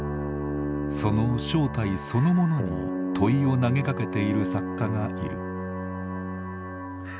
その正体そのものに問いを投げかけている作家がいる。